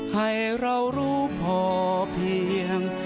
ให้เรารู้พอเพียง